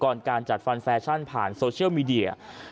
การจัดฟันแฟชั่นผ่านโซเชียลมีเดีย